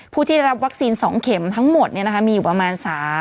ผู้ที่รับวัคซีน๒เข็มทั้งหมดมีอยู่ประมาณ